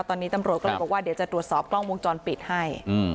ตอนนี้ตำรวจก็เลยบอกว่าเดี๋ยวจะตรวจสอบกล้องวงจรปิดให้